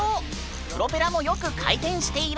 プロペラもよく回転している。